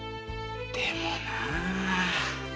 でもなあ。